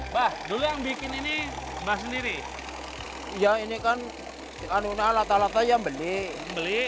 bah dulu yang bikin ini bah sendiri ya ini kan angguna alat alat aja beli beli